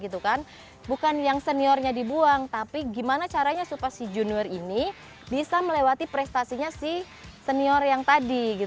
bukan yang seniornya dibuang tapi gimana caranya supaya si junior ini bisa melewati prestasinya si senior yang tadi